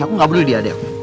aku gak perlu dia adek